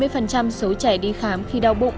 bảy mươi số trẻ đi khám khi đau bụng